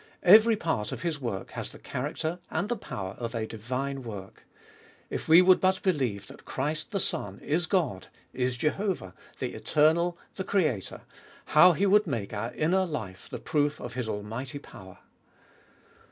Every part of His work has the character and the power of a divine work. If we would but believe that Christ the Son is God, is Jehovah, the Eternal, the Creator, how He would make our inner life the proof of His Almighty power!